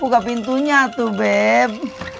buka pintunya tuh beb